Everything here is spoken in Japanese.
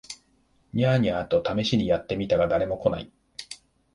ニャー、ニャーと試みにやって見たが誰も来ない